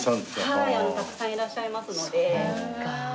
はいたくさんいらっしゃいますので。